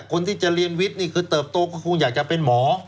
คนที่จะเรียนวิทย์นี่คือเติบโตก็คงอยากจะเป็นหมอ